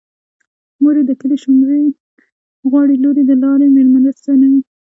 مور يې د کلي شومړې غواړي لور يې د لارې مېلمانه راستنوينه